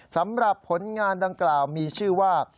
สำหรับผลงานดังกล่าวมีชื่อว่า